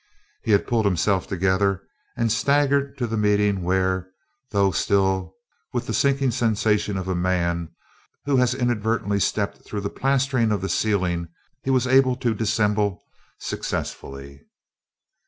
He had pulled himself together and staggered to the meeting where, though still with the sinking sensation of a man who has inadvertently stepped through the plastering of the ceiling, he was able to dissemble successfully.